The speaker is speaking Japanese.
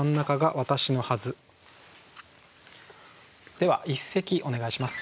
では一席お願いします。